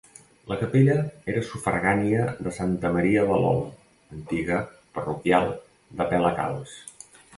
La capella era sufragània de Santa Maria de l'Om, antiga parroquial de Pelacalç.